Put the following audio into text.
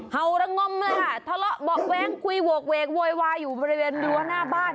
เฮาระง่อมคุยโหคเวคโวยวายอยู่ในดั้งดัวหน้าบ้าน